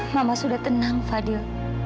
mama sudah tenang fadil